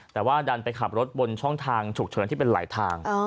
แต่ว่าดันไปขับรถบนช่องทางฉุกเฉินที่เป็นหลายทาง